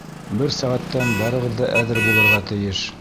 Бер сәғәттән барығыҙ ҙа әҙер булырға тейеш!